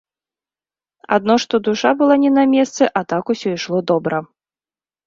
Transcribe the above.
Адно што душа была не на месцы, а так усё ішло добра.